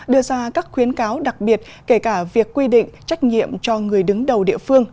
đưa ra các khuyến cáo đặc biệt kể cả việc quy định trách nhiệm cho người đứng đầu địa phương